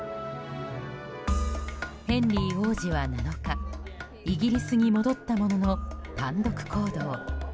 ヘンリー王子は７日イギリスに戻ったものの単独行動。